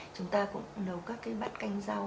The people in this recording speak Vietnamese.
chúng ta cũng nấu các cái bát canh rau